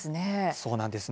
そうなんです。